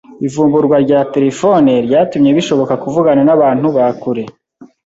Ivumburwa rya terefone ryatumye bishoboka kuvugana nabantu ba kure